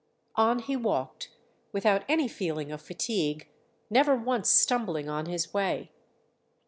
On he walked without any feeling of fatigue, never once stumbling on his way.